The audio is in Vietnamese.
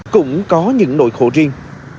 cũng có những nội khổ riêng